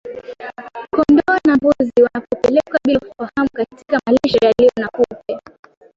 Kondoo na mbuzi wanapopelekwa bila ufahamu katika malisho yaliyo na kupe